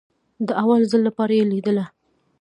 د اول ځل لپاره يې ليدله.